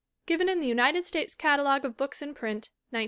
Given in the United States Catalogue of Books in Print (1912).